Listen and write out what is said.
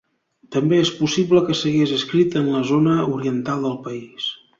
També és possible que s'hagués escrit en la zona oriental del país.